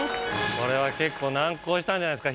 これは結構難航したんじゃないですか？